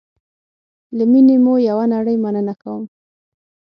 له میني مو یوه نړی مننه کوم